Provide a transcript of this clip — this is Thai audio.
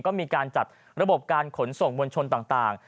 ก็มีการจัดระบบการขนส่งมวลชนต่าง